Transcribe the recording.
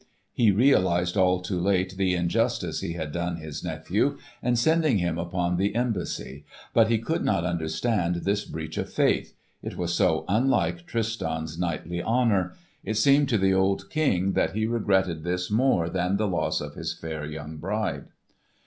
He realised all too late the injustice he had done his nephew in sending him upon the embassy, but he could not understand this breach of faith; it was so unlike Tristan's knightly honour. It seemed to the old King that he regretted this more than the loss of his fair young bride.